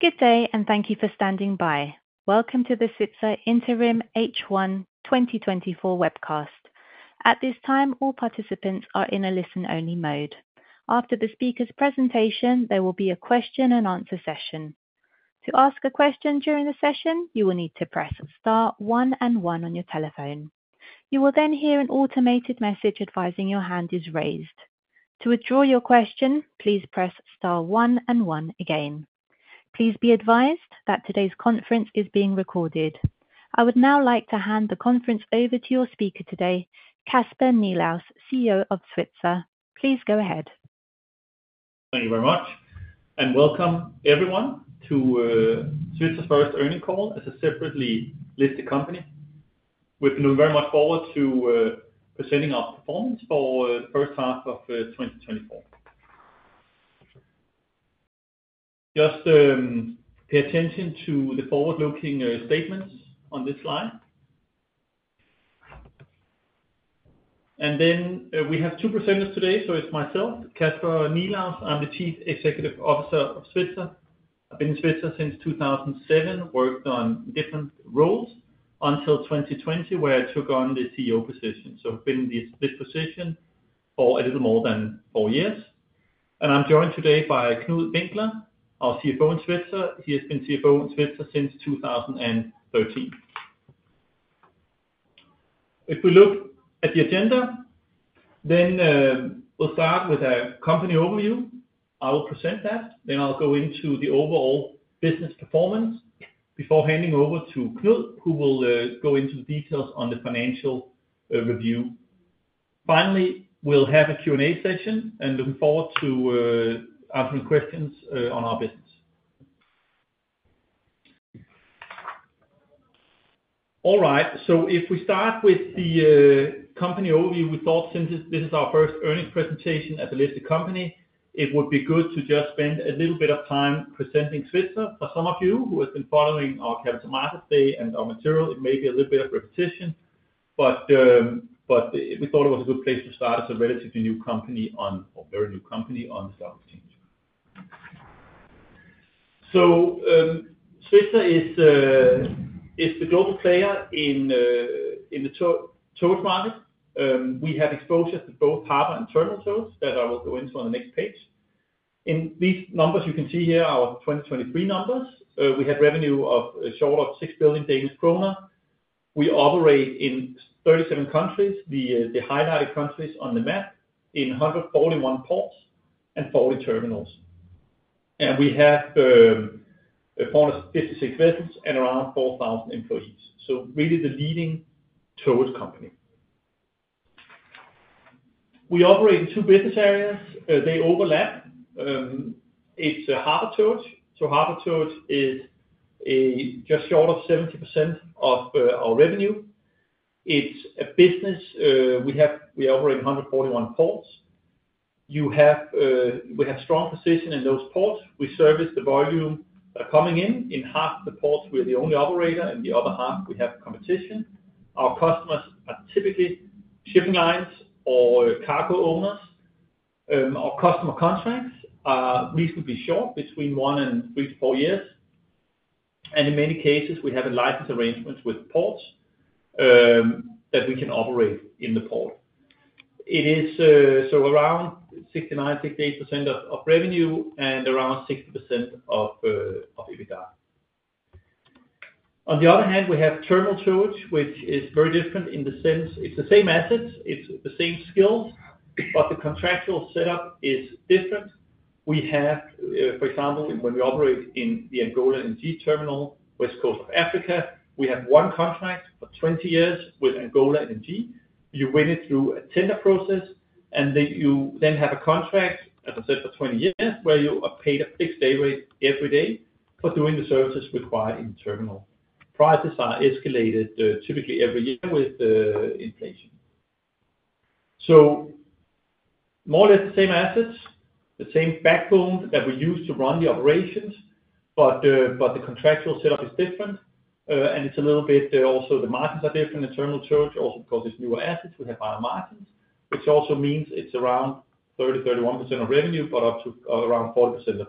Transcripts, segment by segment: Good day, and thank you for standing by. Welcome to the Svitzer Interim H1 2024 Webcast. At this time, all participants are in a listen-only mode. After the speaker's presentation, there will be a question and answer session. To ask a question during the session, you will need to press star one and one on your telephone. You will then hear an automated message advising your hand is raised. To withdraw your question, please press star one and one again. Please be advised that today's conference is being recorded. I would now like to hand the conference over to your speaker today, Kasper Nilaus, CEO of Svitzer. Please go ahead. Thank you very much, and welcome everyone to Svitzer's first earnings call as a separately listed company. We're looking very much forward to presenting our performance for first half of 2024. Just pay attention to the forward-looking statements on this slide. And then we have two presenters today, so it's myself, Kasper Nilaus. I'm the Chief Executive Officer of Svitzer. I've been in Svitzer since 2007, worked on different roles until 2020, where I took on the CEO position. So I've been in this, this position for a little more than four years. And I'm joined today by Knud Winkler, our CFO in Svitzer. He has been CFO in Svitzer since 2013. If we look at the agenda, then we'll start with a company overview. I will present that, then I'll go into the overall business performance before handing over to Knud, who will go into the details on the financial review. Finally, we'll have a Q&A session, and looking forward to answering questions on our business. All right, so if we start with the company overview, we thought since this, this is our first earnings presentation as a listed company, it would be good to just spend a little bit of time presenting Svitzer. For some of you who have been following our Capital Markets Day and our material, it may be a little bit of repetition, but, but we thought it was a good place to start as a relatively new company on, or very new company on the stock exchange. So, Svitzer is the global player in the towage market. We have exposure to both harbor and terminal towage that I will go into on the next page. In these numbers, you can see here our 2023 numbers. We had revenue of short of 6 billion Danish kroner. We operate in 37 countries, the highlighted countries on the map, in 141 ports and 40 terminals. We have a fleet of 56 vessels and around 4,000 employees, so really the leading towage company. We operate in two business areas. They overlap. It's harbor towage. Harbor towage is just short of 70% of our revenue. It's a business we have we operate in 141 ports. We have strong position in those ports. We service the volume coming in. In half the ports, we're the only operator, in the other half, we have competition. Our customers are typically shipping lines or cargo owners. Our customer contracts are reasonably short, between one and three to four years, and in many cases, we have a license arrangement with ports, that we can operate in the port. It is so around 69%-68% of revenue and around 60% of EBITDA. On the other hand, we have terminal towage, which is very different in the sense it's the same assets, it's the same skills, but the contractual setup is different. We have, for example, when we operate in the Angola LNG terminal, West Coast of Africa, we have one contract for 20 years with Angola LNG. You win it through a tender process, and then you have a contract, as I said, for 20 years, where you are paid a fixed day rate every day for doing the services required in terminal. Prices are escalated, typically every year with inflation. So more or less the same assets, the same backbone that we use to run the operations, but the contractual setup is different, and it's a little bit also the margins are different. The terminal towage also, because it's newer assets, we have higher margins, which also means it's around 30-31% of revenue, but up to around 40% of EBITDA.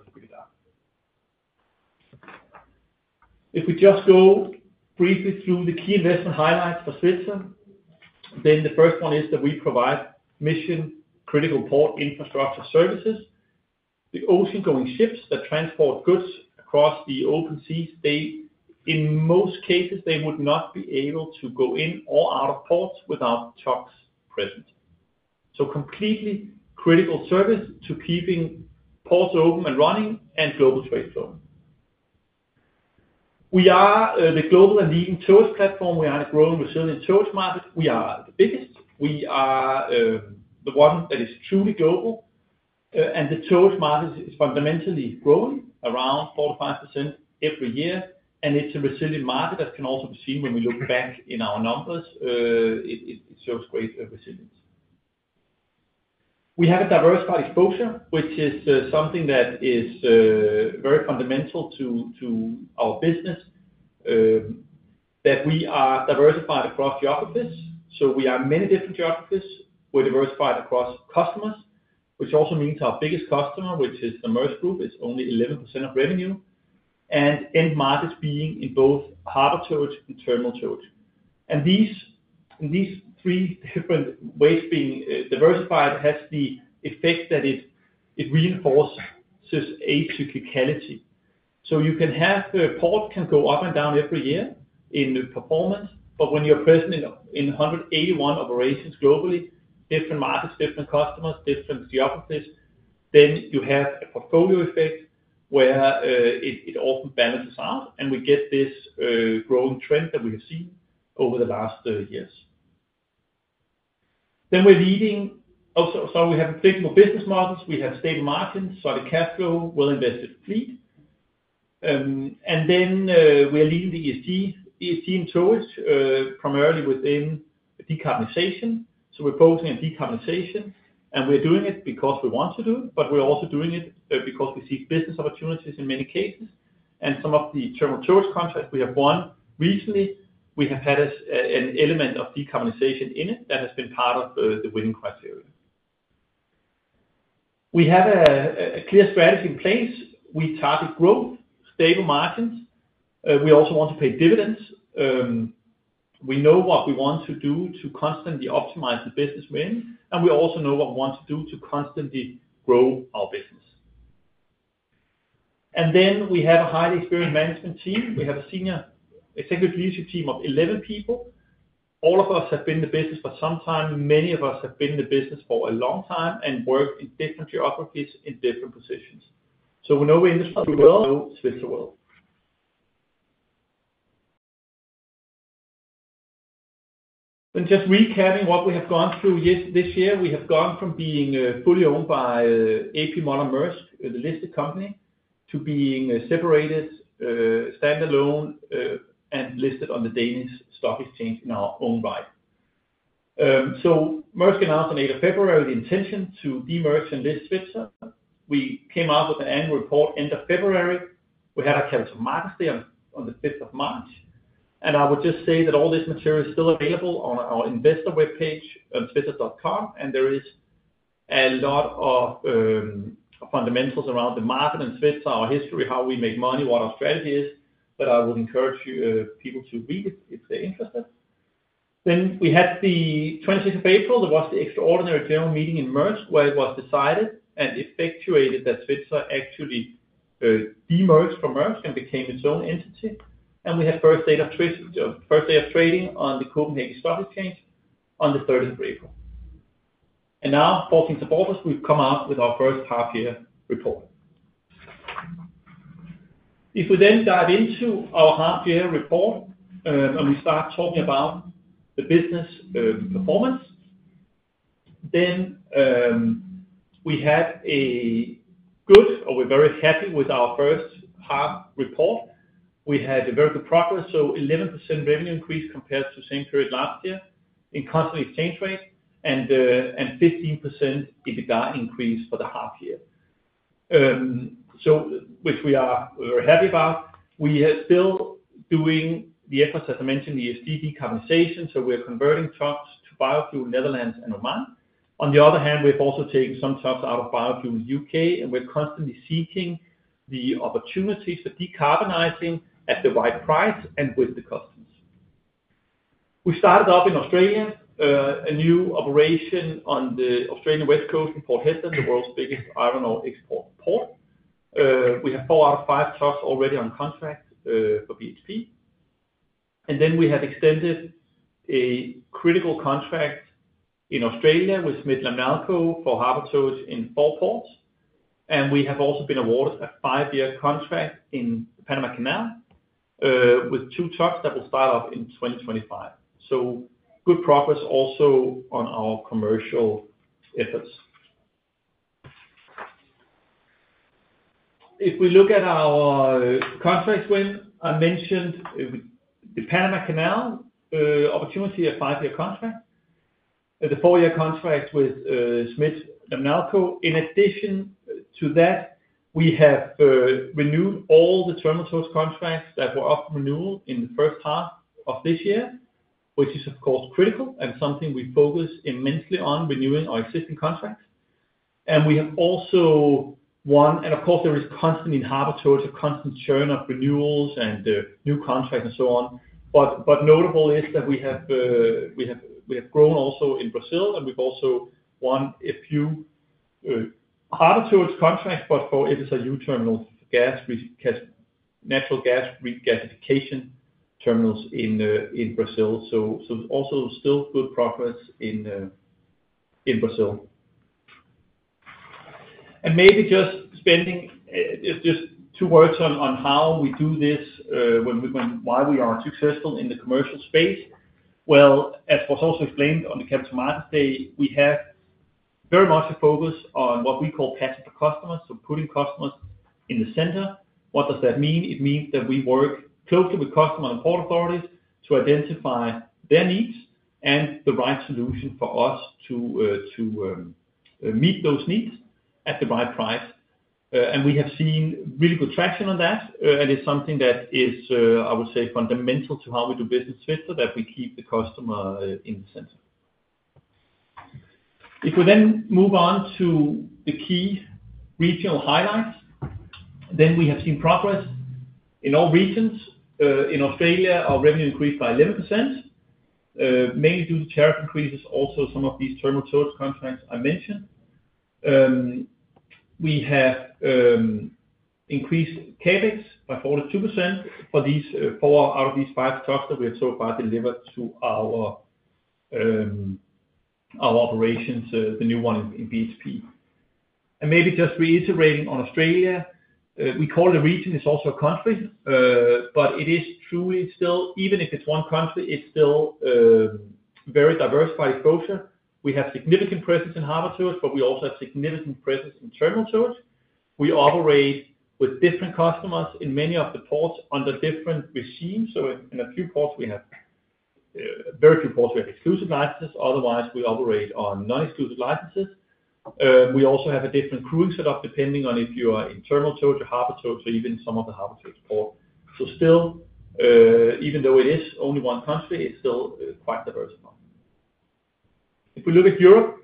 If we just go briefly through the key investment highlights for Svitzer, then the first one is that we provide mission-critical port infrastructure services. The ocean-going ships that transport goods across the open seas, they, in most cases, they would not be able to go in or out of ports without tugs present. So completely critical service to keeping ports open and running and global trade flowing. We are the global and leading towage platform. We are in a growing resilient towage market. We are the biggest. We are the one that is truly global, and the towage market is fundamentally growing around 4%-5% every year, and it's a resilient market, as can also be seen when we look back in our numbers. It shows great resilience. We have a diversified exposure, which is something that is very fundamental to our business, that we are diversified across geographies. So we are many different geographies. We're diversified across customers, which also means our biggest customer, which is the Maersk Group, is only 11% of revenue, and end markets being in both harbor towage and terminal towage. And these three different ways being diversified has the effect that it reinforces a cyclicality. So you can have the port can go up and down every year in the performance, but when you're present in 181 operations globally, different markets, different customers, different geographies, then you have a portfolio effect where it often balances out, and we get this growing trend that we have seen over the last years. Then we're leading also. So we have flexible business models, we have stable margins, solid cash flow, well-invested fleet. And then we are leading the ESG in towage, primarily within decarbonization. So we're focusing on decarbonization, and we're doing it because we want to do, but we're also doing it because we see business opportunities in many cases. And some of the terminal towage contracts we have won recently, we have had a, an element of decarbonization in it that has been part of, the winning criteria. We have a clear strategy in place. We target growth, stable margins. We also want to pay dividends. We know what we want to do to constantly optimize the business we're in, and we also know what we want to do to constantly grow our business. And then we have a highly experienced management team. We have a senior executive leadership team of 11 people. All of us have been in the business for some time. Many of us have been in the business for a long time and worked in different geographies, in different positions. So we know the industry well, know Svitzer well. And just recapping what we have gone through this year, we have gone from being fully owned by A.P. Møller-Maersk, the listed company, to being separated, standalone, and listed on the Danish Stock Exchange in our own right. So Maersk announced on eighth of February the intention to de-merge and list Svitzer. We came out with an annual report end of February. We had our Capital Markets Day on the fifth of March, and I would just say that all this material is still available on our investor web page on svitzer.com, and there is a lot of fundamentals around the market and Svitzer, our history, how we make money, what our strategy is. But I would encourage you people to read it if they're interested. Then, on the twentieth of April, there was the extraordinary general meeting in Maersk, where it was decided and effectuated that Svitzer actually de-merged from Maersk and became its own entity. And we had first day of Svitzer, first day of trading on the Copenhagen Stock Exchange on the thirteenth of April. And now, talking to boarders, we've come out with our first half year report. If we then dive into our half-year report, and we start talking about the business performance, then we had a good, or we're very happy with our first half report. We had a very good progress, so 11% revenue increase compared to the same period last year in constant exchange rate and, and 15% EBITDA increase for the half year. So which we are, we're happy about. We are still doing the efforts, as I mentioned, the ESG decarbonization, so we're converting tugs to biofuel, Netherlands and Oman. On the other hand, we've also taken some tugs out of biofuel in the U.K., and we're constantly seeking the opportunities for decarbonizing at the right price and with the customers. We started up in Australia, a new operation on the Australian west coast in Port Hedland, the world's biggest iron ore export port. We have four out of five tugs already on contract for BHP. Then we have extended a critical contract in Australia with Smit Lamnalco for harbor towage in four ports. We have also been awarded a five-year contract in Panama Canal with two tugs that will start off in 2025. So good progress also on our commercial efforts. If we look at our contract wins, I mentioned the Panama Canal opportunity, a five-year contract, and the four-year contract with Smit Lamnalco. In addition to that, we have renewed all the terminal towage contracts that were up for renewal in the first half of this year, which is of course critical and something we focus immensely on, renewing our existing contracts. And of course, there is constantly in harbor towage, a constant churn of renewals and new contracts and so on. But notable is that we have grown also in Brazil, and we've also won a few harbor towage contracts, but it is a new terminal gas, which gas natural gas regasification terminals in Brazil. So also still good progress in Brazil. And maybe just spending just two words on how we do this, why we are successful in the commercial space. Well, as was also explained on the Capital Markets Day, we have very much a focus on what we call passion for customers, so putting customers in the center. What does that mean? It means that we work closely with customer and port authorities to identify their needs and the right solution for us to meet those needs at the right price, and we have seen really good traction on that, and it's something that is, I would say, fundamental to how we do business with, so that we keep the customer in the center. If we then move on to the key regional highlights, then we have seen progress in all regions. In Australia, our revenue increased by 11%, mainly due to tariff increases, also some of these terminal towage contracts I mentioned. We have increased CapEx by 42% for these, 4 out of these 5 tugs that we have so far delivered to our operations, the new one in BHP. Maybe just reiterating on Australia, we call it a region, it's also a country, but it is truly still, even if it's one country, it's still, very diversified approach. We have significant presence in harbor towage, but we also have significant presence in terminal towage. We operate with different customers in many of the ports under different regimes. So in a few ports, we have, very few ports, we have exclusive licenses, otherwise we operate on non-exclusive licenses. We also have a different crew set up, depending on if you are in terminal towage or harbor towage, or even some of the harbor towage port. So still, even though it is only one country, it's still, quite diverse. If we look at Europe,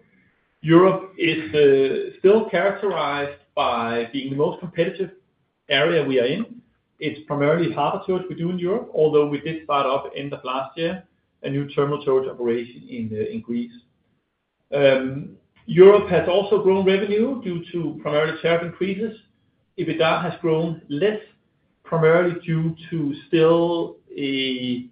Europe is, still characterized by being the most competitive area we are in. It's primarily harbor towage we do in Europe, although we did start up end of last year a new terminal towage operation in Greece. Europe has also grown revenue due to primarily tariff increases. EBITDA has grown less, primarily due to still a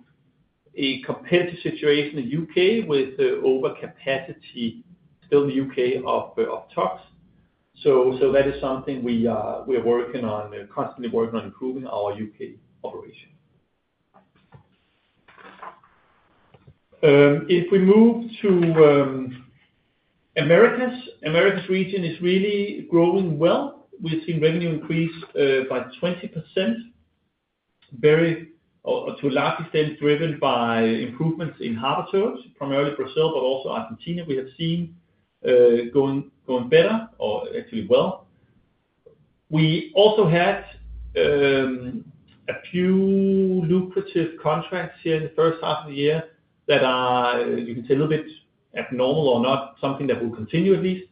competitive situation in U.K. with overcapacity still in the U.K. of tugs. So that is something we are working on, constantly working on improving our U.K. operation. If we move to Americas. Americas region is really growing well. We've seen revenue increase by 20%, very, or to a large extent, driven by improvements in harbor towage, primarily Brazil, but also Argentina, we have seen going better or actually well. We also had a few lucrative contracts here in the first half of the year that are, you can say, a little bit abnormal or not something that will continue, at least.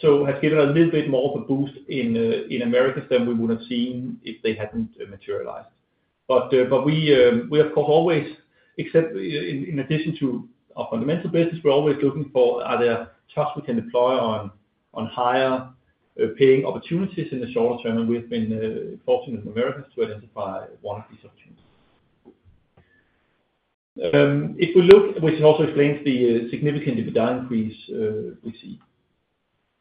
So has given a little bit more of a boost in Americas than we would have seen if they hadn't materialized. But, but we, of course, always, except in addition to our fundamental business, we're always looking for, are there tugs we can deploy on, on higher paying opportunities in the shorter term, and we've been fortunate in Americas to identify one of these opportunities. If we look, which also explains the significant EBITDA increase we see.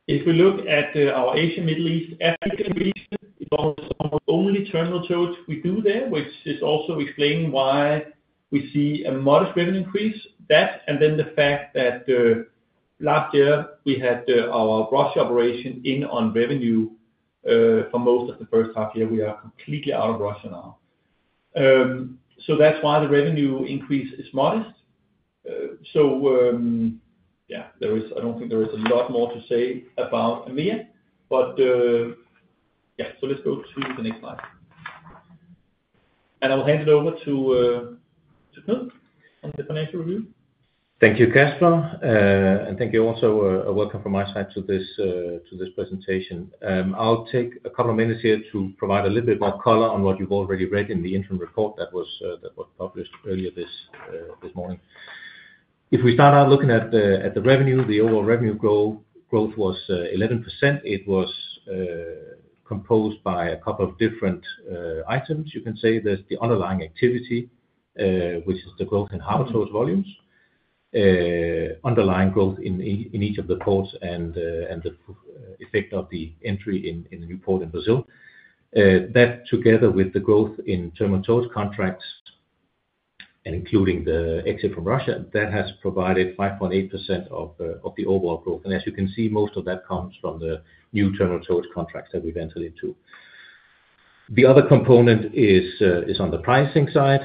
If we look at our Asia, Middle East, Africa region, it was our only terminal towage we do there, which is also explaining why we see a modest revenue increase. That, and then the fact that last year we had our Russia operation in on revenue for most of the first half year. We are completely out of Russia now. So that's why the revenue increase is modest. So, yeah, there is, I don't think there is a lot more to say about AMEA, but, yeah. So let's go to the next slide. And I will hand it over to, to Knud on the financial review. Thank you, Kasper. And thank you also, welcome from my side to this, to this presentation. I'll take a couple of minutes here to provide a little bit more color on what you've already read in the interim report that was, that was published earlier this, this morning. If we start out looking at the revenue, the overall revenue growth was 11%. It was composed by a couple of different items. You can say there's the underlying activity, which is the growth in harbor towage volumes, underlying growth in each of the ports and the effect of the entry in the new port in Brazil. That, together with the growth in terminal towage contracts, including the exit from Russia, that has provided 5.8% of the overall growth. And as you can see, most of that comes from the new terminal towage contracts that we've entered into. The other component is on the pricing side.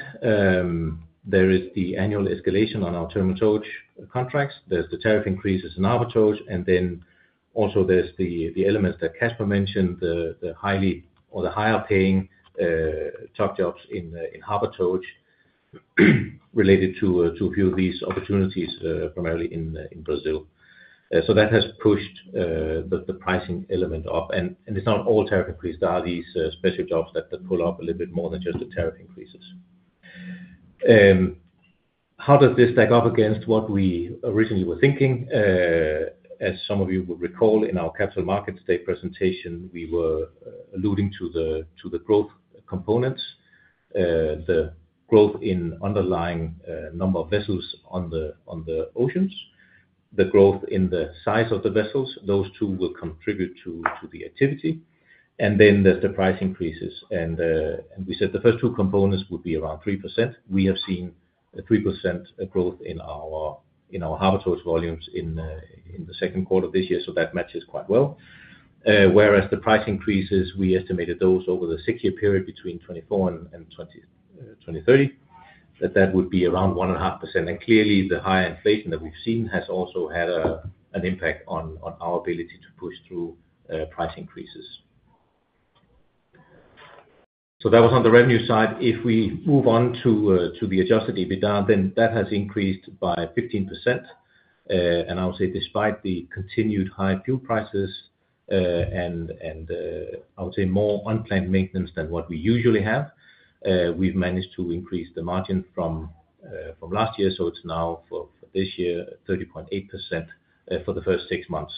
There is the annual escalation on our terminal towage contracts. There's the tariff increases in harbor towage, and then also there's the elements that Kasper mentioned, the higher paying tug jobs in harbor towage, related to a few of these opportunities, primarily in Brazil. So that has pushed the pricing element up, and it's not all tariff increase. There are these special jobs that pull up a little bit more than just the tariff increases. How does this stack up against what we originally were thinking? As some of you will recall, in our Capital Markets Day presentation, we were alluding to the growth components, the growth in underlying number of vessels on the oceans, the growth in the size of the vessels. Those two will contribute to the activity, and then there's the price increases. And we said the first two components would be around 3%. We have seen a 3% growth in our harbor towage volumes in the second quarter of this year, so that matches quite well. Whereas the price increases, we estimated those over the six-year period between 2024 and 2030 that would be around 1.5%. And clearly, the high inflation that we've seen has also had an impact on our ability to push through price increases. So that was on the revenue side. If we move on to the Adjusted EBITDA, then that has increased by 15%. And I would say despite the continued high fuel prices, and I would say more unplanned maintenance than what we usually have, we've managed to increase the margin from last year. So it's now, for this year, 30.8%, for the first six months.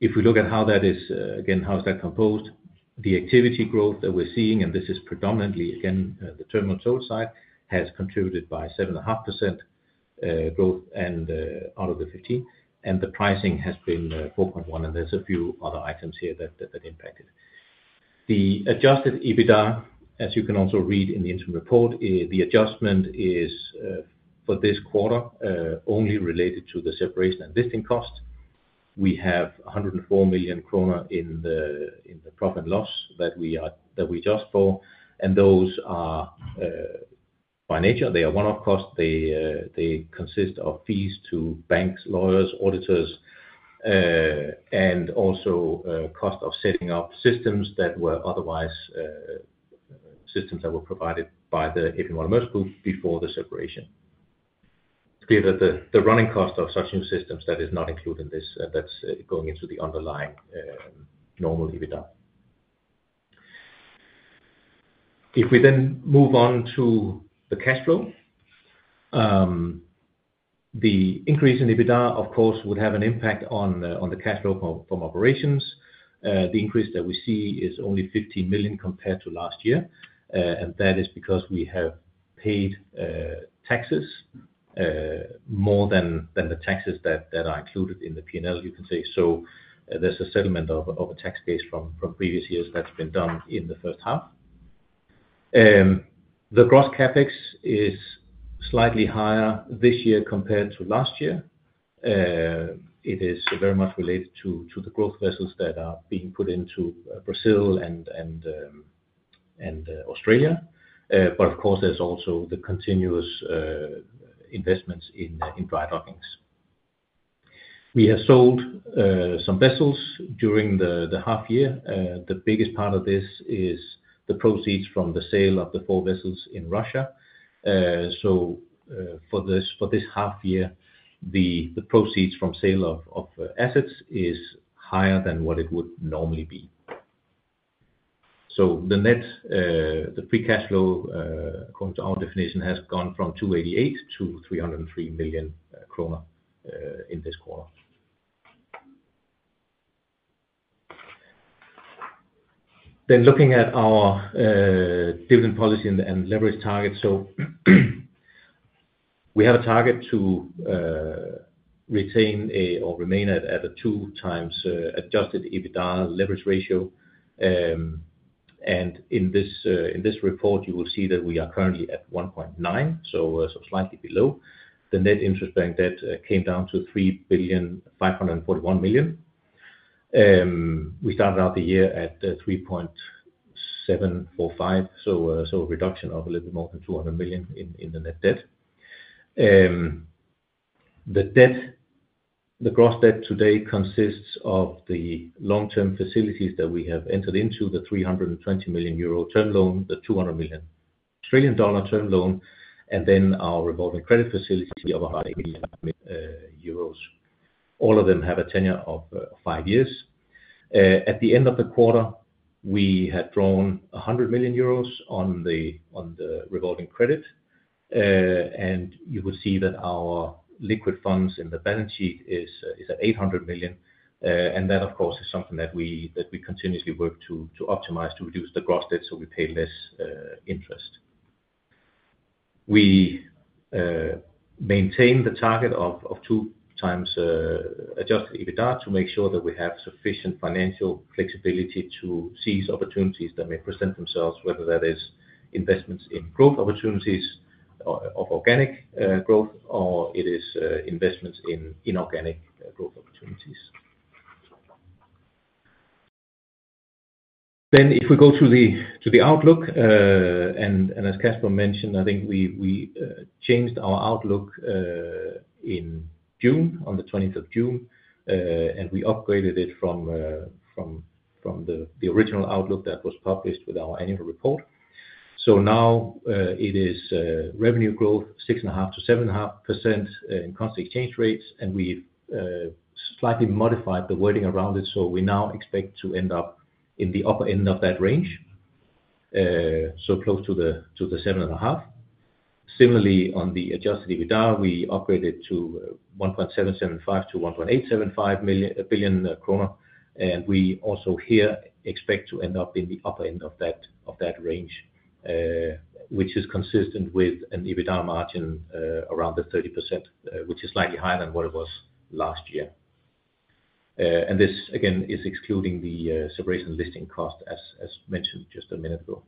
If we look at how that is, again, how is that composed, the activity growth that we're seeing, and this is predominantly, again, the terminal side, has contributed by 7.5% growth, and out of the 15, and the pricing has been 4.1, and there's a few other items here that impact it. The Adjusted EBITDA, as you can also read in the interim report, the adjustment is for this quarter only related to the separation and listing cost. We have 104 million kroner in the profit and loss that we adjust for, and those are by nature, they are one-off costs. They, they consist of fees to banks, lawyers, auditors, and also, cost of setting up systems that were otherwise, systems that were provided by the A.P. Møller - Maersk group before the separation. It's clear that the, the running cost of such new systems, that is not included in this, that's going into the underlying, normal EBITDA. If we then move on to the cash flow, the increase in EBITDA, of course, would have an impact on the, on the cash flow from, from operations. The increase that we see is only 50 million compared to last year, and that is because we have paid, taxes, more than, than the taxes that, that are included in the P&L, you can say. So there's a settlement of a tax base from previous years that's been done in the first half. The Gross CapEx is slightly higher this year compared to last year. It is very much related to the growth vessels that are being put into Brazil and Australia. But of course, there's also the continuous investments in dry dockings. We have sold some vessels during the half year. The biggest part of this is the proceeds from the sale of the four vessels in Russia. So, for this half year, the proceeds from sale of assets is higher than what it would normally be. So the net, the free cash flow, according to our definition, has gone from 288 million to 303 million kroner in this quarter. Then looking at our, dividend policy and, and leverage target. So, we have a target to, retain a, or remain at, at a 2x adjusted EBITDA leverage ratio. And in this, in this report, you will see that we are currently at 1.9, so, so slightly below. The net interest-bearing debt, came down to 3,541 million. We started out the year at, 3.745, so, so a reduction of a little more than 200 million in, in the net debt. The debt, the gross debt today consists of the long-term facilities that we have entered into, the 320 million euro term loan, the 200 million Australian dollar term loan, and then our revolving credit facility of 100 million euros. All of them have a tenure of five years. At the end of the quarter, we had drawn 100 million euros on the revolving credit, and you will see that our liquid funds in the balance sheet is at 800 million. That, of course, is something that we continuously work to optimize, to reduce the gross debt so we pay less interest. We maintain the target of 2x Adjusted EBITDA to make sure that we have sufficient financial flexibility to seize opportunities that may present themselves, whether that is investments in growth opportunities of organic growth, or it is investments in inorganic growth opportunities. Then, if we go to the outlook, and as Kasper mentioned, I think we changed our outlook in June, on the twentieth of June, and we upgraded it from the original outlook that was published with our annual report. So now, it is revenue growth 6.5%-7.5% in constant exchange rates, and we've slightly modified the wording around it. So we now expect to end up in the upper end of that range, so close to the, to the 7.5. Similarly, on the Adjusted EBITDA, we upgraded to 1.775 billion-1.875 billion kroner, and we also here expect to end up in the upper end of that, of that range, which is consistent with an EBITDA margin, around the 30%, which is slightly higher than what it was last year. And this, again, is excluding the, separation and listing cost, as, as mentioned just a minute ago.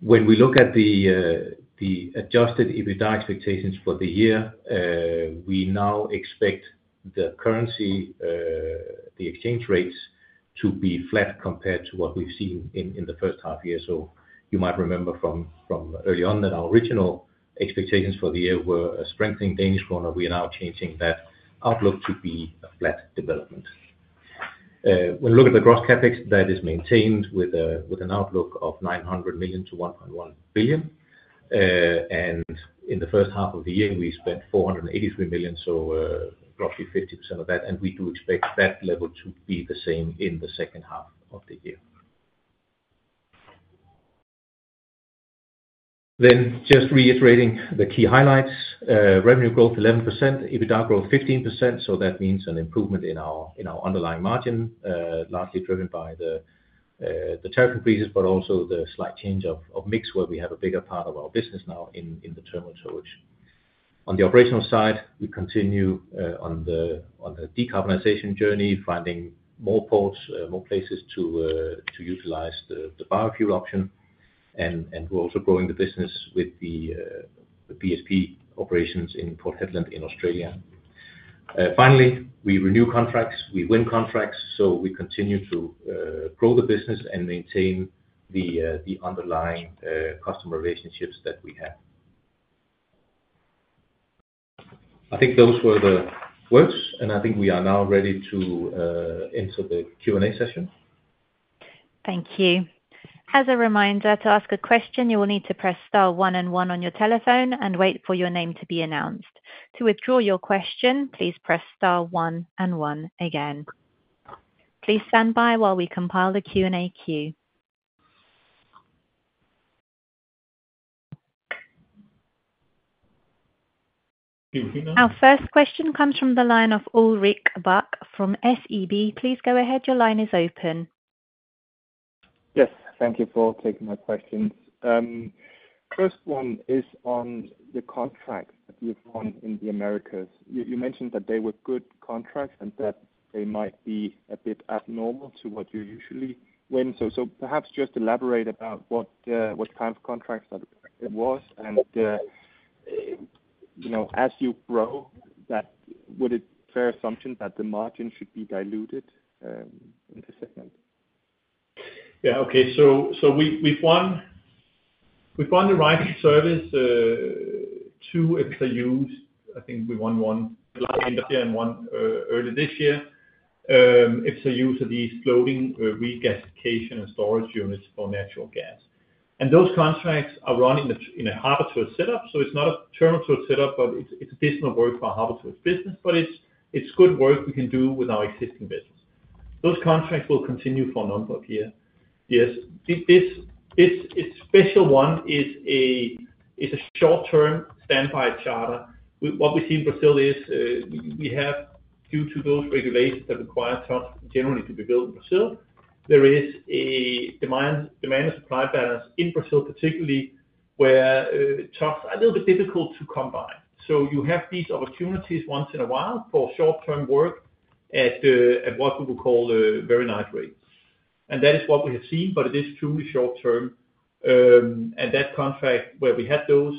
When we look at the, the Adjusted EBITDA expectations for the year, we now expect the currency, the exchange rates to be flat compared to what we've seen in, in the first half year. So you might remember from early on that our original expectations for the year were a strengthening Danish kroner. We are now changing that outlook to be a flat development. When you look at the Gross CapEx, that is maintained with an outlook of 900 million-1.1 billion. And in the first half of the year, we spent 483 million, so roughly 50% of that, and we do expect that level to be the same in the second half of the year. Then just reiterating the key highlights, revenue growth 11%, EBITDA growth 15%. So that means an improvement in our, in our underlying margin, largely driven by the, the tariff increases, but also the slight change of, of mix, where we have a bigger part of our business now in, in the terminal towage. On the operational side, we continue, on the, on the decarbonization journey, finding more ports, more places to, to utilize the, the biofuel option. And, and we're also growing the business with the, the BHP operations in Port Hedland in Australia. Finally, we renew contracts, we win contracts, so we continue to, grow the business and maintain the, the underlying, customer relationships that we have. I think those were the words, and I think we are now ready to, enter the Q&A session. Thank you. As a reminder, to ask a question, you will need to press star one and one on your telephone and wait for your name to be announced. To withdraw your question, please press star one and one again. Please stand by while we compile the Q&A queue. Our first question comes from the line of Ulrik Bak from SEB. Please go ahead. Your line is open. Yes, thank you for taking my questions. First one is on the contracts that you've won in the Americas. You mentioned that they were good contracts and that they might be a bit abnormal to what you usually win. So perhaps just elaborate about what, what kind of contracts that it was, and you know, as you grow, that would it fair assumption that the margin should be diluted in the second? Yeah. Okay. So we've won the right to service two FSRUs. I think we won one last year and one early this year. FSRU, so these floating regasification and storage units for natural gas. And those contracts are run in a harbor tow setup. So it's not a terminal tow setup, but it's additional work for our harbor tow business, but it's good work we can do with our existing business. Those contracts will continue for a number of years. Yes, it's special one is a short-term standby charter. What we see in Brazil is we have due to those regulations that require trucks generally to be built in Brazil, there is a demand and supply balance in Brazil, particularly where trucks are a little bit difficult to come by. So you have these opportunities once in a while for short-term work at what we would call a very nice rates. And that is what we have seen, but it is truly short-term. And that contract where we had those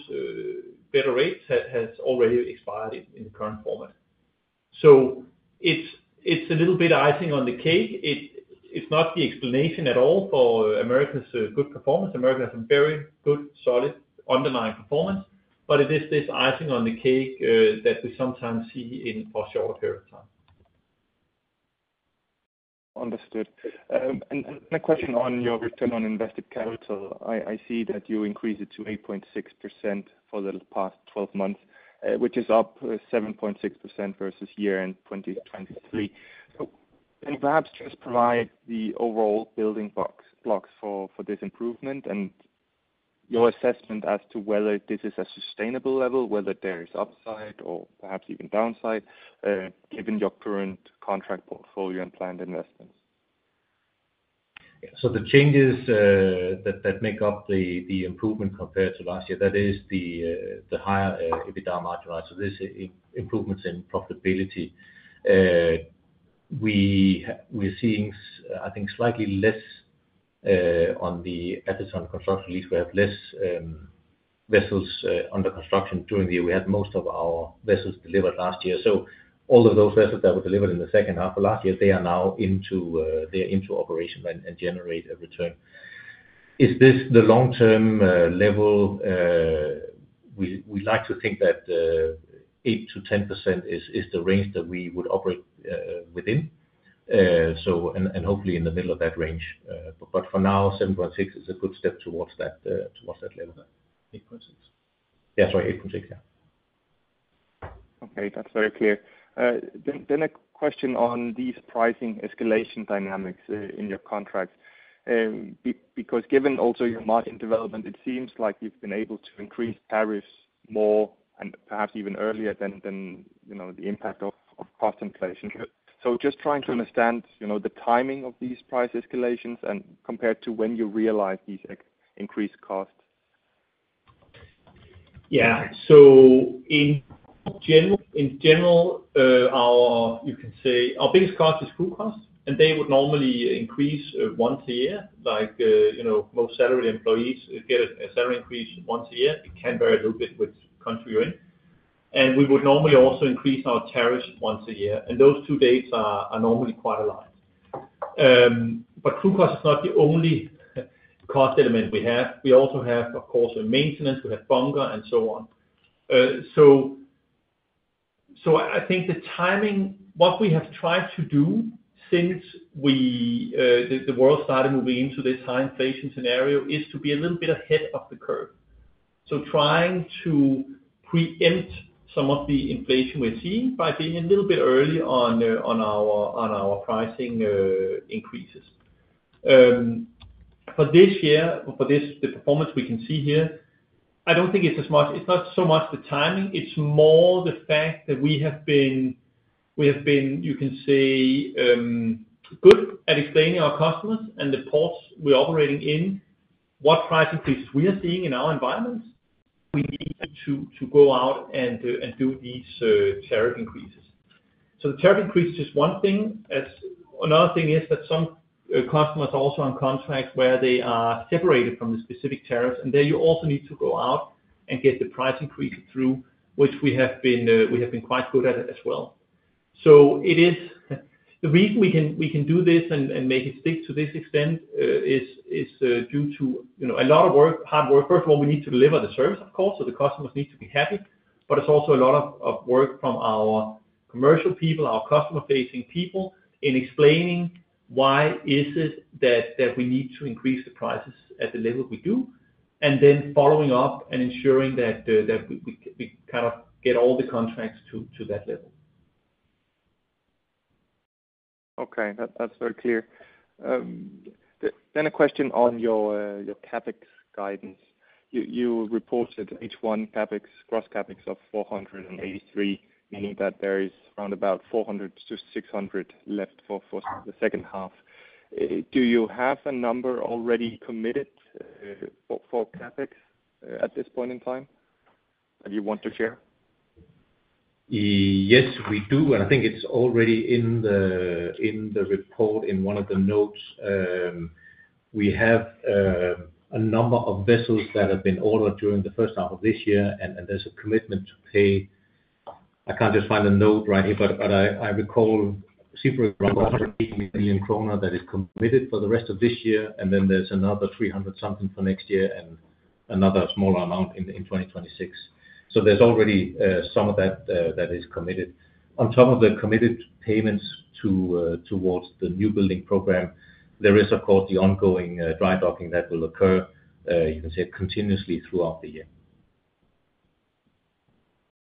better rates has already expired in the current format. So it's a little bit icing on the cake. It's not the explanation at all for Americas' good performance. Americas has a very good, solid, underlying performance, but it is this icing on the cake that we sometimes see in a short period of time. Understood. A question on your return on invested capital. I see that you increased it to 8.6% for the past 12 months, which is up 7.6% versus year-end 2023. Can you perhaps just provide the overall building blocks for this improvement and your assessment as to whether this is a sustainable level, whether there is upside or perhaps even downside, given your current contract portfolio and planned investments? Yeah. So the changes that make up the improvement compared to last year, that is the higher EBITDA margin rise. So there's improvements in profitability. We're seeing, I think, slightly less on the assets under construction lease. We have less vessels under construction during the year. We had most of our vessels delivered last year, so all of those vessels that were delivered in the second half of last year, they are now into operation and generate a return. Is this the long-term level? We like to think that 8%-10% is the range that we would operate within, so and hopefully in the middle of that range. But for now, 7.6 is a good step towards that level, 8.6. Yeah, sorry, 8.6, yeah. Okay, that's very clear. Then a question on these pricing escalation dynamics in your contracts. Because given also your margin development, it seems like you've been able to increase tariffs more and perhaps even earlier than you know the impact of cost inflation. So just trying to understand you know the timing of these price escalations and compared to when you realize these increased costs? Yeah. So in general, our biggest cost is crew cost, and they would normally increase once a year. Like, you know, most salaried employees get a salary increase once a year. It can vary a little bit which country you're in. And we would normally also increase our tariffs once a year, and those two dates are normally quite aligned. But crew cost is not the only cost element we have. We also have, of course, maintenance, we have bunker and so on. So, I think the timing, what we have tried to do since the world started moving into this high inflation scenario, is to be a little bit ahead of the curve. So trying to preempt some of the inflation we're seeing by being a little bit early on our pricing increases. But this year, for this, the performance we can see here, I don't think it's as much—it's not so much the timing, it's more the fact that we have been, you can say, good at explaining our customers and the ports we're operating in, what price increases we are seeing in our environment. We need to go out and do these tariff increases. So the tariff increase is one thing. As another thing is that some customers are also on contract where they are separated from the specific tariffs, and there you also need to go out and get the price increase through, which we have been, we have been quite good at it as well. So it is, the reason we can, we can do this and, and make it stick to this extent, is, is, due to, you know, a lot of work, hard work. First of all, we need to deliver the service of course, so the customers need to be happy. But it's also a lot of work from our commercial people, our customer-facing people, in explaining why is it that we need to increase the prices at the level we do, and then following up and ensuring that we kind of get all the contracts to that level. Okay. That's very clear. Then a question on your CapEx guidance. You reported H1 gross CapEx of 483, meaning that there is around about 400-600 left for the second half. Do you have a number already committed for CapEx at this point in time that you want to share? Yes, we do, and I think it's already in the report, in one of the notes. We have a number of vessels that have been ordered during the first half of this year, and there's a commitment to pay... I can't just find the note right here, but I recall 600 million kroner that is committed for the rest of this year, and then there's another 300-something million for next year, and another smaller amount in 2026. So there's already some of that that is committed. On top of the committed payments towards the new building program, there is, of course, the ongoing dry docking that will occur, you can say continuously throughout the year.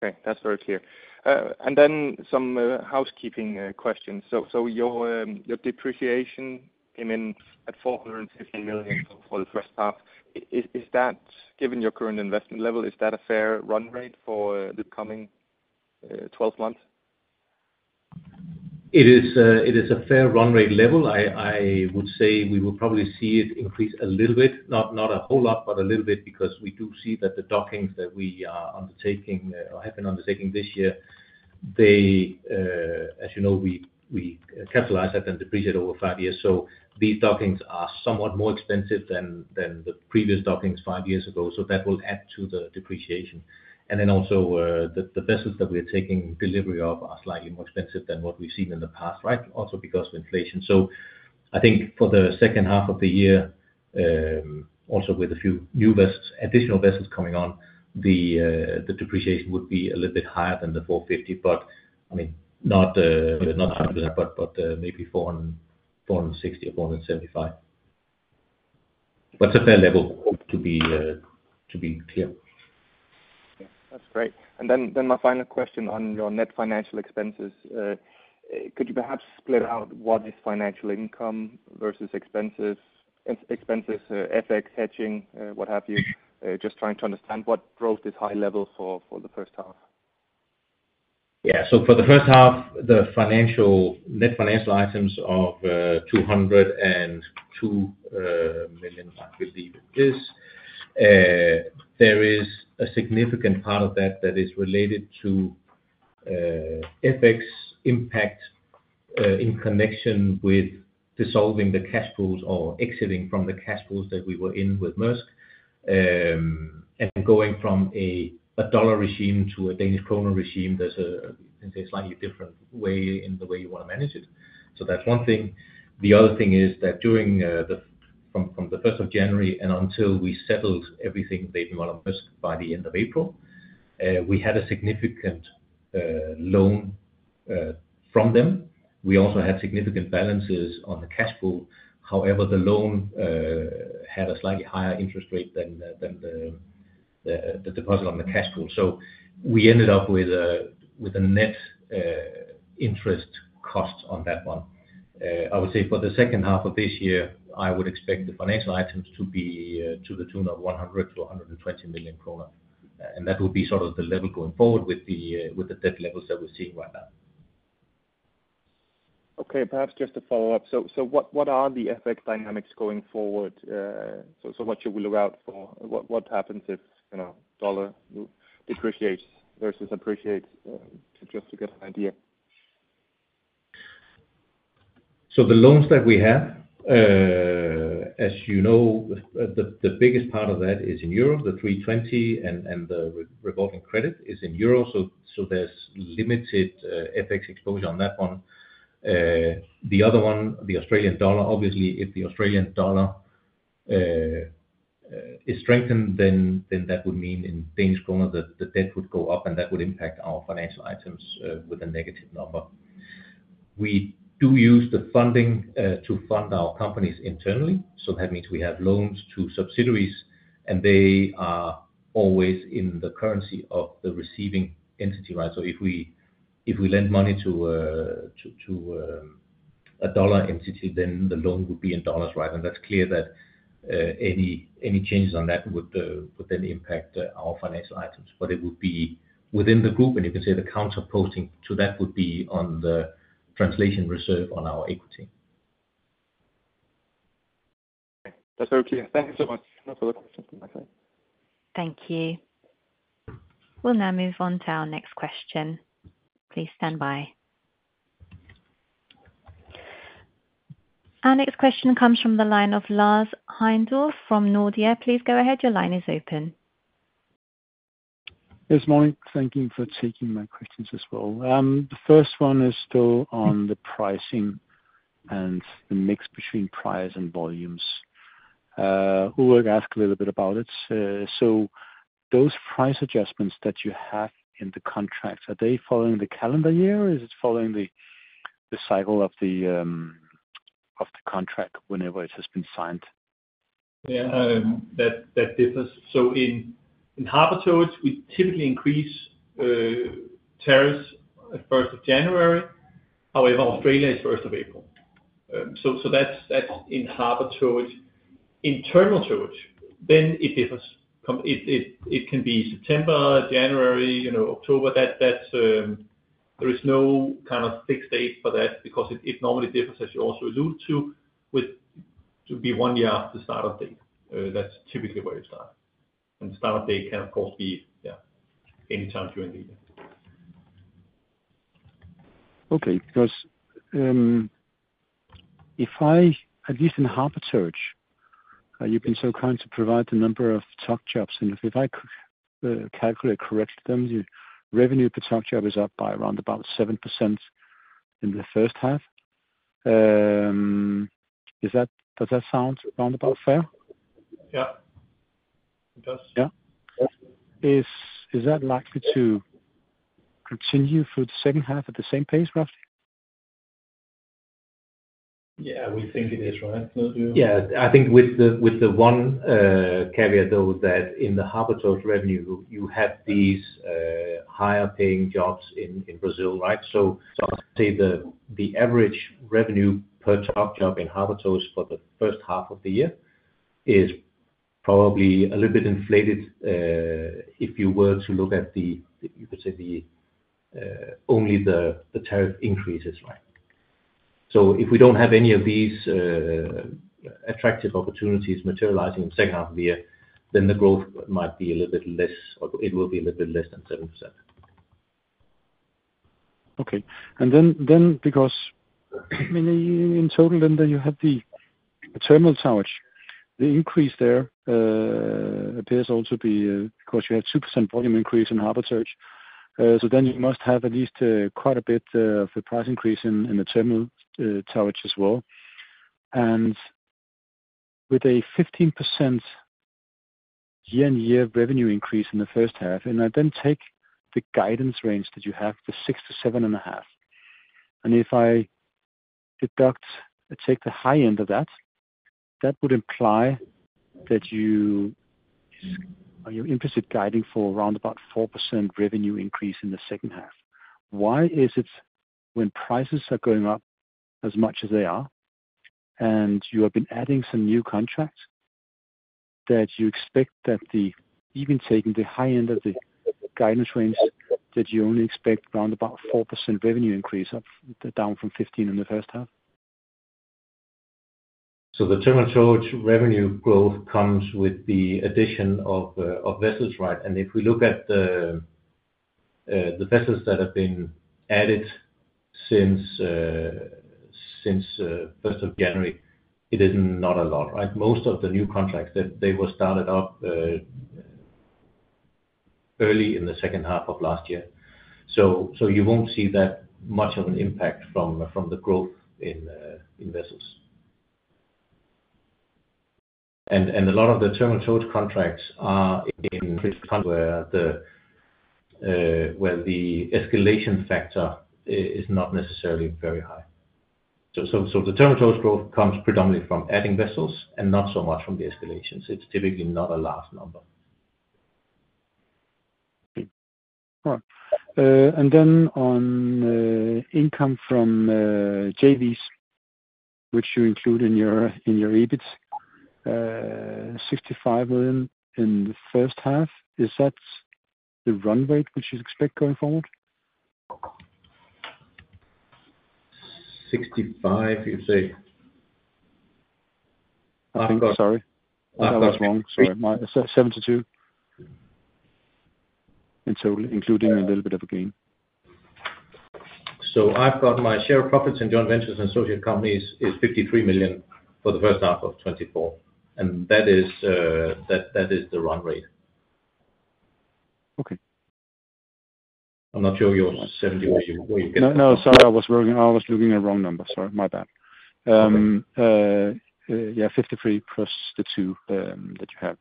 Okay, that's very clear. And then some housekeeping questions. So, your depreciation came in at 450 million for the first half. Is that, given your current investment level, a fair run rate for the coming twelve months? It is a fair run rate level. I would say we will probably see it increase a little bit, not a whole lot, but a little bit, because we do see that the dockings that we are undertaking or have been undertaking this year, they, as you know, we capitalize that and depreciate over five years. So these dockings are somewhat more expensive than the previous dockings five years ago, so that will add to the depreciation. And then also, the vessels that we're taking delivery of are slightly more expensive than what we've seen in the past, right? Also because of inflation. So I think for the second half of the year, also with a few new vessels, additional vessels coming on, the depreciation would be a little bit higher than the 450, but I mean, not much higher, but maybe 460 or 475. But a fair level to be clear. That's great. My final question on your net financial expenses. Could you perhaps split out what is financial income versus expenses, FX hedging, what have you? Just trying to understand what drove this high level for the first half. Yeah. So for the first half, the net financial items of 202 million, I believe it is, there is a significant part of that that is related to FX impact in connection with dissolving the cash pools or exiting from the cash pools that we were in with Maersk. And going from a dollar regime to a Danish kroner regime, there's a slightly different way in the way you want to manage it. So that's one thing. The other thing is that during the from the first of January and until we settled everything with A.P. Møller - Maersk by the end of April, we had a significant loan from them. We also had significant balances on the cash pool. However, the loan had a slightly higher interest rate than the deposit on the cash pool. So we ended up with a net interest cost on that one. I would say for the second half of this year, I would expect the financial items to be to the tune of 100 million-120 million kroner, and that will be sort of the level going forward with the debt levels that we're seeing right now. Okay, perhaps just to follow up. So what are the FX dynamics going forward? So what should we look out for? What happens if, you know, dollar depreciates versus appreciates, to just get an idea? So the loans that we have, as you know, the biggest part of that is in Europe, the 320 and the revolving credit is in Europe, so there's limited FX exposure on that one. The other one, the Australian dollar, obviously, if the Australian dollar is strengthened, then that would mean in Danish kroner, the debt would go up, and that would impact our financial items with a negative number. We do use the funding to fund our companies internally, so that means we have loans to subsidiaries, and they are always in the currency of the receiving entity, right? So if we lend money to a dollar entity, then the loan would be in dollars, right? That's clear that any changes on that would then impact our financial items. But it would be within the group, and you can say the counter posting to that would be on the translation reserve on our equity. That's very clear. Thank you so much. No further questions on my end. Thank you. We'll now move on to our next question. Please stand by. Our next question comes from the line of Lars Heindorff from Nordea. Please go ahead. Your line is open. Yes, morning. Thank you for taking my questions as well. The first one is still on the pricing and the mix between price and volumes. We were asked a little bit about it. So those price adjustments that you have in the contracts, are they following the calendar year, or is it following the cycle of the contract whenever it has been signed? Yeah, that business, so in harbor towage, we typically increase tariffs at first of January. However, Australia is first of April. So that's in harbor towage. In terminal towage, then it differs. It can be September, January, you know, October. That's... There is no kind of fixed date for that because it normally differs, as you also allude to, with to be one year after the start of date. That's typically where you start, and start of date can of course be any time during the year. Okay. Because if I, at least in harbor towage, you've been so kind to provide the number of tug jobs, and if I calculate correctly, your revenue per tug job is up by around about 7% in the first half. Is that, does that sound roundabout fair? Yeah, it does. Yeah? Yes. Is that likely to continue through the second half at the same pace, roughly? Yeah, we think it is, right, Mads? Yeah. I think with the one caveat, though, that in the harbor towage revenue, you have these higher paying jobs in Brazil, right? So I would say the average revenue per tug job in harbor towage for the first half of the year is probably a little bit inflated if you were to look at the—you could say—the only the tariff increases, right? So if we don't have any of these attractive opportunities materializing in the second half of the year, then the growth might be a little bit less, or it will be a little bit less than 7%. Okay. And then, then because in total, and then you have the terminal towage, the increase there, appears also to be, because you had 2% volume increase in harbor towage. So then you must have at least, quite a bit, of the price increase in the terminal towage as well. And with a 15% year-over-year revenue increase in the first half, and I then take the guidance range that you have, the 6%-7.5%, and if I deduct, I take the high end of that, that would imply that you ... Are you implicitly guiding for around about 4% revenue increase in the second half? Why is it when prices are going up as much as they are, and you have been adding some new contracts, that you expect that even taking the high end of the guidance range, that you only expect around about 4% revenue increase, down from 15% in the first half? So the terminal towage revenue growth comes with the addition of of vessels, right? And if we look at the the vessels that have been added since since first of January, it is not a lot, right? Most of the new contracts, they they were started up early in the second half of last year. So the terminal towage growth comes predominantly from adding vessels and not so much from the escalations. It's typically not a large number. And then on income from JVs, which you include in your, in your EBIT, 65 million in the first half. Is that the run rate, which you expect going forward? 65 you say? I think, sorry. I was wrong. Sorry, my 72. In total, including a little bit of a gain. So I've got my share of profits in joint ventures and associate companies is $53 million for the first half of 2024, and that is the run rate. Okay. I'm not sure you're 70 where you get that. No, no, sorry. I was working, I was looking at wrong numbers. Sorry, my bad. Yeah, 53 plus the 2 that you have.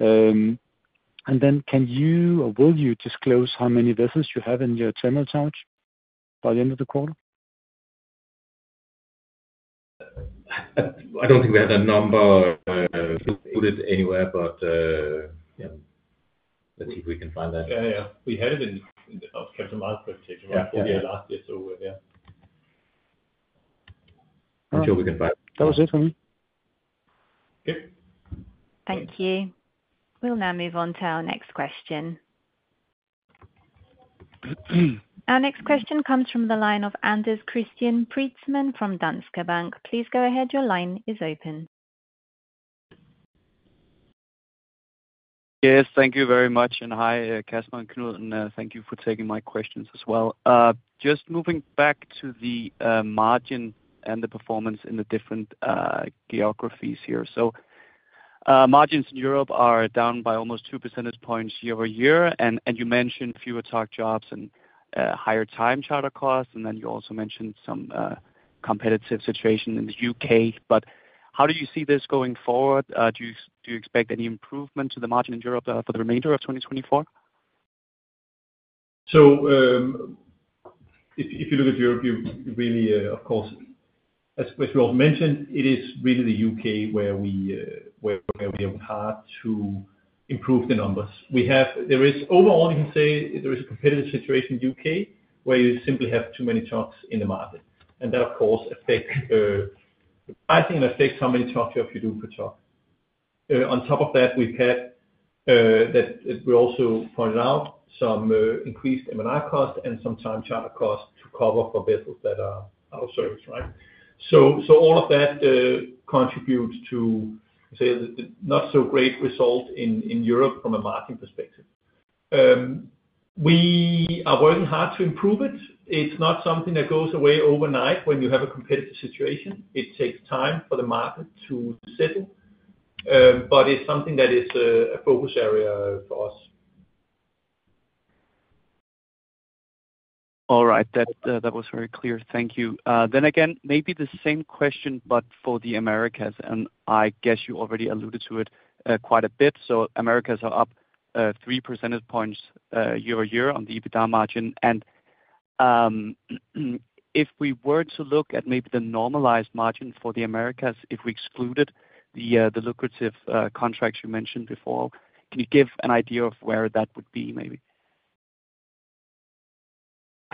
And then can you or will you disclose how many vessels you have in your terminal towage by the end of the quarter? I don't think we have the number put it anywhere, but yeah, let's see if we can find that. Yeah, yeah. We had it in the first quarter market presentation last year, so we're there. Until we get back. That was it from me. Okay. Thank you. We'll now move on to our next question. Our next question comes from the line of Anders Christian Preetzmann from Danske Bank. Please go ahead. Your line is open. Yes, thank you very much, and hi, Kasper and Knud, and, thank you for taking my questions as well. Just moving back to the, margin and the performance in the different, geographies here. So, margins in Europe are down by almost two percentage points year-over-year, and, and you mentioned fewer tug jobs and, higher time charter costs, and then you also mentioned some, competitive situation in the UK. But how do you see this going forward? Do you, do you expect any improvement to the margin in Europe, for the remainder of 2024? So, if you look at Europe, you really, of course, as we all mentioned, it is really the U.K. where it's hard to improve the numbers. There is overall, you can say, a competitive situation in the U.K., where you simply have too many tugs in the market, and that of course affects, I think, it affects how many tugs you have to do per tug. On top of that, we've had, as we also pointed out, some increased M&R costs and some time charter costs to cover for vessels that are out of service, right? So all of that contributes to, say, the not so great result in Europe from a margin perspective. We are working hard to improve it. It's not something that goes away overnight when you have a competitive situation. It takes time for the market to settle, but it's something that is, a focus area for us. All right. That was very clear. Thank you. Then again, maybe the same question, but for the Americas, and I guess you already alluded to it, quite a bit. Americas are up three percentage points year-over-year on the EBITDA margin. And, if we were to look at maybe the normalized margin for the Americas, if we excluded the lucrative contracts you mentioned before, can you give an idea of where that would be maybe?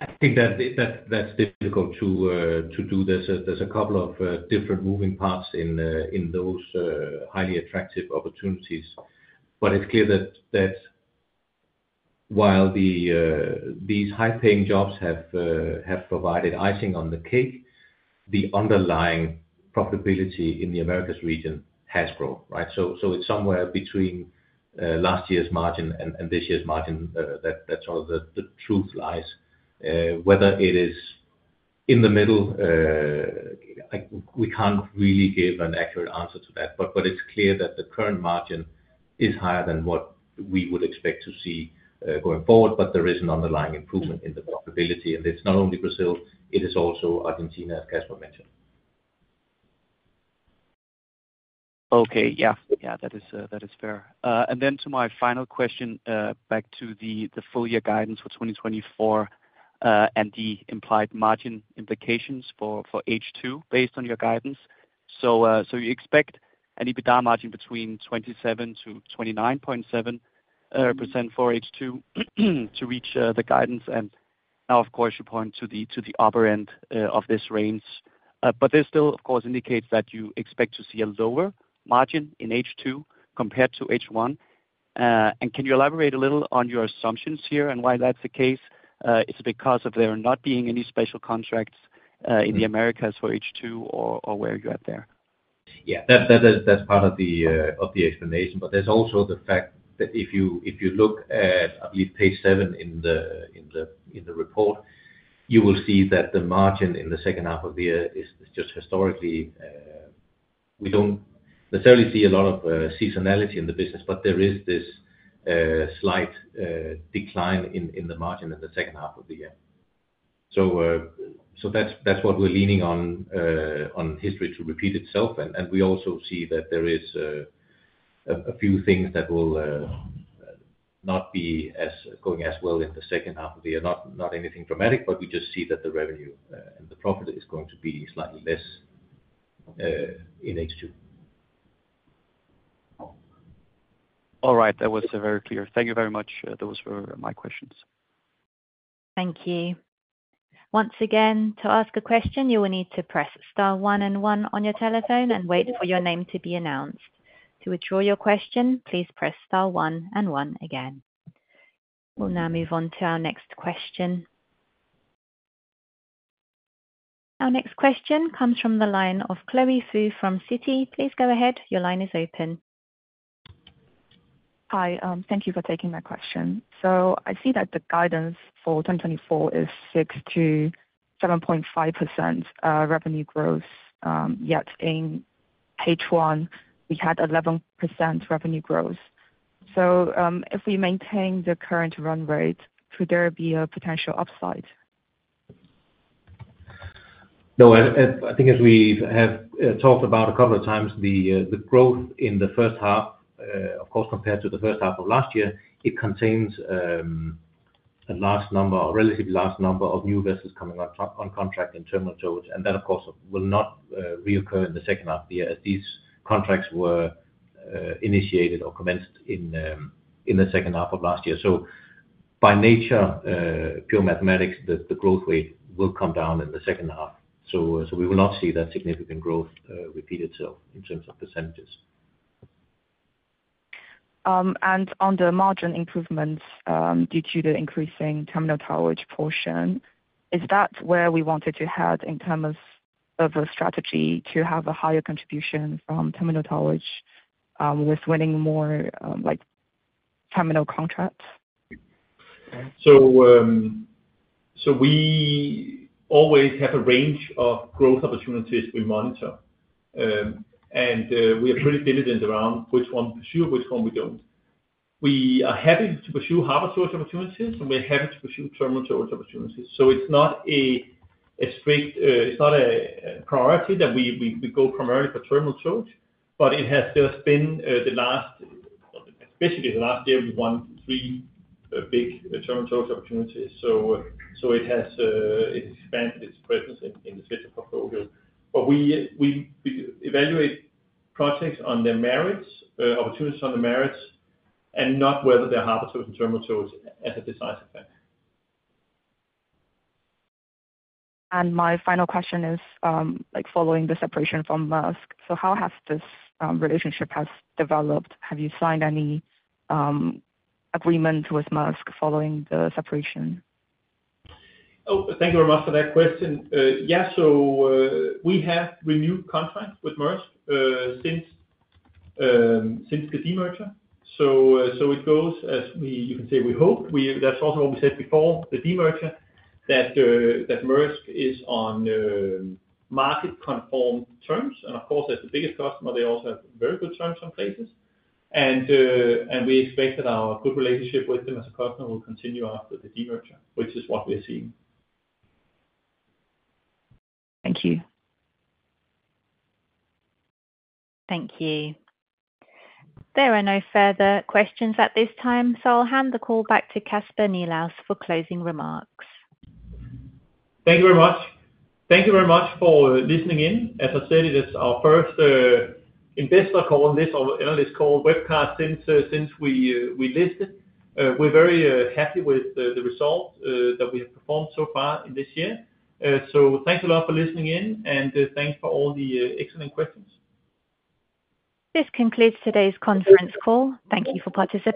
I think that's difficult to do. There's a couple of different moving parts in those highly attractive opportunities. But it's clear that while these high-paying jobs have provided icing on the cake, the underlying profitability in the Americas region has grown, right? So it's somewhere between last year's margin and this year's margin, that's all the truth lies. Whether it is in the middle, we can't really give an accurate answer to that, but it's clear that the current margin is higher than what we would expect to see going forward. But there is an underlying improvement in the profitability, and it's not only Brazil, it is also Argentina, as Kasper mentioned. Okay. Yeah. Yeah, that is fair. And then to my final question, back to the full year guidance for 2024, and the implied margin implications for H2 based on your guidance. So, so you expect an EBITDA margin between 27-29.7% for H2 to reach the guidance, and now, of course, you point to the upper end of this range. But this still, of course, indicates that you expect to see a lower margin in H2 compared to H1. And can you elaborate a little on your assumptions here and why that's the case? It's because of there not being any special contracts in the Americas for H2 or where you're at there. Yeah, that's, that is, that's part of the, of the explanation, but there's also the fact that if you, if you look at I believe page seven in the, in the, in the report, you will see that the margin in the second half of the year is just historically, we don't necessarily see a lot of, seasonality in the business, but there is this, slight, decline in, in the margin in the second half of the year. So, so that's, that's what we're leaning on, on history to repeat itself. And, and we also see that there is, a, a few things that will, not be as, going as well in the second half of the year. Not, not anything dramatic, but we just see that the revenue and the profit is going to be slightly less in H2.... All right, that was very clear. Thank you very much. Those were my questions. Thank you. Once again, to ask a question, you will need to press star one and one on your telephone and wait for your name to be announced. To withdraw your question, please press star one and one again. We'll now move on to our next question. Our next question comes from the line of Chloe Fu from Citi. Please go ahead. Your line is open. Hi. Thank you for taking my question. So I see that the guidance for 2024 is 6%-7.5% revenue growth. Yet in H1, we had 11% revenue growth. So, if we maintain the current run rate, could there be a potential upside? No, I think as we have talked about a couple of times, the growth in the first half, of course, compared to the first half of last year, it contains a large number, a relatively large number of new vessels coming on contract in terminal towage. And that, of course, will not reoccur in the second half of the year, as these contracts were initiated or commenced in the second half of last year. So by nature, pure mathematics, the growth rate will come down in the second half. So we will not see that significant growth repeat itself in terms of percentages. And on the margin improvements, due to the increasing terminal towage portion, is that where we wanted to head in terms of a strategy to have a higher contribution from terminal towage, with winning more, like terminal contracts? We always have a range of growth opportunities we monitor. We are pretty diligent around which one to pursue, which one we don't. We are happy to pursue harbor towage opportunities, and we're happy to pursue terminal towage opportunities. It's not a strict priority that we go primarily for terminal towage, but it has just been the last, especially the last year, we won three big terminal towage opportunities. So it has expanded its presence in the portfolio. But we evaluate projects on their merits, opportunities on the merits, and not whether they're harbor towage and terminal towage as a decisive factor. My final question is, like following the separation from Maersk, so how has this relationship has developed? Have you signed any agreement with Maersk following the separation? Oh, thank you very much for that question. Yeah, so we have renewed contracts with Maersk since the de-merger. So it goes as we, you can say, we hope. That's also what we said before the de-merger, that Maersk is on market-conformed terms, and of course, as the biggest customer, they also have very good terms in places. And we expect that our good relationship with them as a customer will continue after the de-merger, which is what we're seeing. Thank you. Thank you. There are no further questions at this time, so I'll hand the call back to Kasper Nilaus for closing remarks. Thank you very much. Thank you very much for listening in. As I said, it is our first investor call and this, our analyst call webcast since since we listed. We're very happy with the results that we have performed so far in this year. So thanks a lot for listening in, and thanks for all the excellent questions. This concludes today's conference call. Thank you for participating.